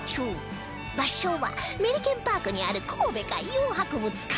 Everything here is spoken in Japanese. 場所はメリケンパークにある神戸海洋博物館